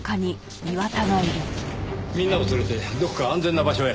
みんなを連れてどこか安全な場所へ。